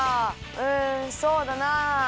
うんそうだなあ。